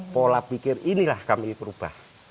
pola pikir inilah kami berubah